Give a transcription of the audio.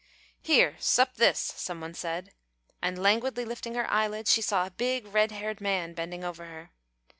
"Here, sup this," some one said, and languidly lifting her eyelids, she saw a big red haired man bending over her.